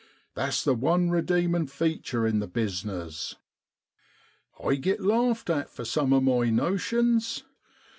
That's the one redeemin' feature in the business. 'I git larfed at for some of my notions.